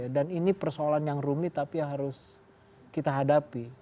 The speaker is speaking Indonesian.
dan ini persoalan yang rumit tapi harus kita hadapi